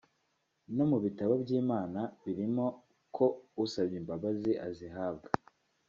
no mu bitabo by’Imana birimo ko usabye imbabazi azihabwa